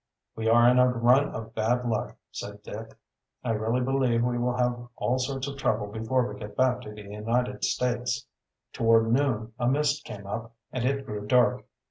"We are in a run of bad luck," said Dick. "I really believe we will have all sorts of trouble before we get back to the United States." Toward noon a mist came up, and it grew dark.